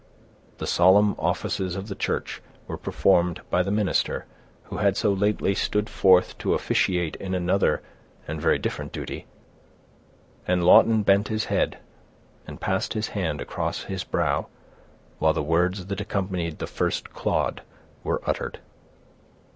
The solemn offices of the church were performed by the minister, who had so lately stood forth to officiate in another and very different duty; and Lawton bent his head, and passed his hand across his brow, while the words that accompanied the first clod were uttered.